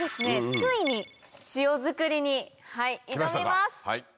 ついに塩づくりに挑みます。